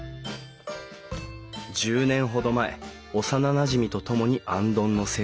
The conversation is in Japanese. １０年ほど前幼なじみと共に行灯の制作を始めた。